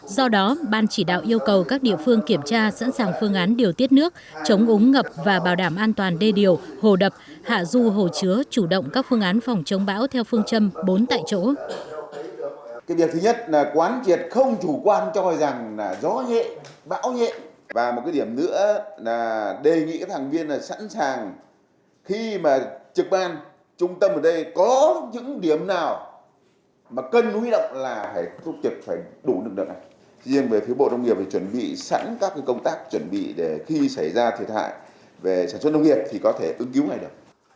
do đó ban chỉ đạo yêu cầu các địa phương kiểm tra sẵn sàng phương án điều tiết nước chống ống ngập và bảo đảm an toàn đê điều hồ đập hạ du hồ chứa chủ động các phương án phòng chống bão theo phương châm bốn tại chỗ